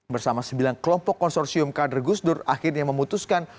bersama sembilan kelompok konsorsium kader gusdur akhirnya memutuskan